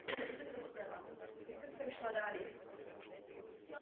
Film líčí počínající vztah mezi dvěma mladíky na letním kempu.